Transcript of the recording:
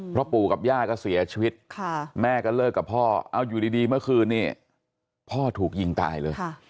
เพราะปู่กับย่าก็เสียชีวิตแม่ก็เลิกกับพ่อเอาอยู่ดีเมื่อคืนนี้พ่อถูกยิงตายเลย